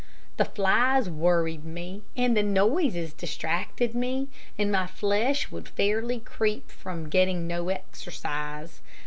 The flies worried me, and the noises distracted me, and my flesh would fairly creep from getting no exercise.